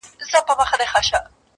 په لرگیو په چړو سره وهلي -